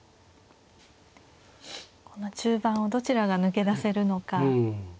この中盤をどちらが抜け出せるのか。